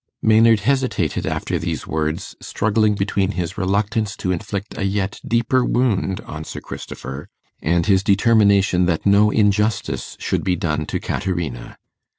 Maynard hesitated after these words, struggling between his reluctance to inflict a yet deeper wound on Sir Christopher, and his determination that no injustice should be done to Caterina.